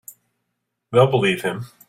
They'll believe him.